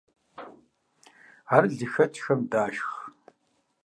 Ар лыхэкIхэм дашх.